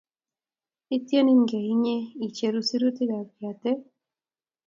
otieningei inyee icheru sirutikab yatee